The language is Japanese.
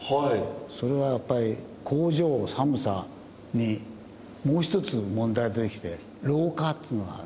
それはやっぱり工場の寒さにもう一つ問題が出てきて老化っていうのが。